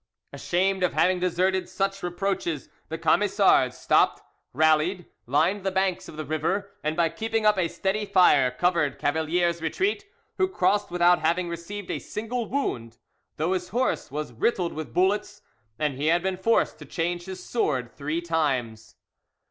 Ashamed of having deserved such reproaches, the Camisards stopped, rallied, lined the banks of the river, and by keeping up a steady fire, covered Cavalier's retreat, who crossed without having received a single wound, though his horse was riddled with bullets and he had been forced to change his sword three times.